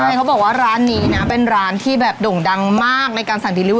แล้วก็บอกว่าร้านนี้นะเป็นร้านที่แบบด่งดั่งมากในการสั่งคุณภาพ